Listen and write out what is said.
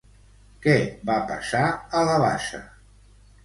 Què va passar a la bassa?